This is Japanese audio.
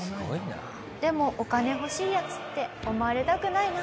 でもお金欲しいヤツって思われたくないな。